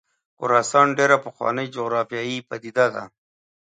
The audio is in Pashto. خراسان ډېره پخوانۍ جغرافیایي پدیده ده.